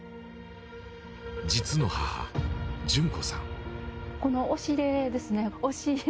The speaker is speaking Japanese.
実の母・淳子さん。